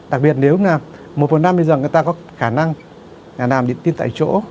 đặc biệt nếu là một trăm một mươi năm bây giờ người ta có khả năng là làm điện tim tại chỗ